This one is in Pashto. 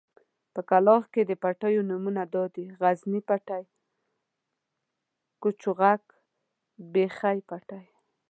په کلاخ کې د پټيو نومونه دادي: غزني پټی، کچوغک، بېخۍ پټی.